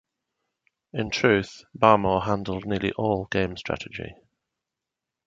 In truth, Barmore handled nearly all game strategy.